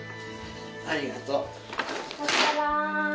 ありがとう。